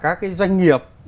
của cả các doanh nghiệp